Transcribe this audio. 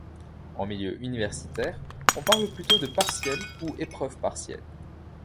En milieu universitaire, on parle plutôt de Partiel ou Épreuve partielle.